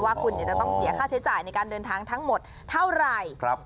ว่าคุณจะต้องเสียค่าใช้จ่ายในการเดินทางทั้งหมดเท่าไหร่